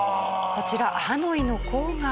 こちらハノイの郊外。